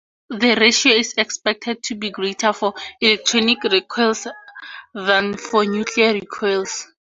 This ratio is expected to be greater for electronic recoils than for nuclear recoils.